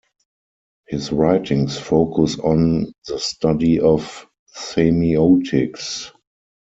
His writings focus on the study of Semiotics.